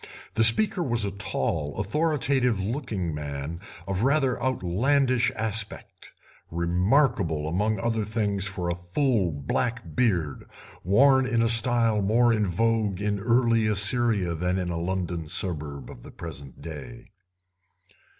The speaker was a tall, authoritative looking man of rather outlandish aspect, remarkable among other things for a full black beard, worn in a style more in vogue in early Assyria than in a London suburb of the present day.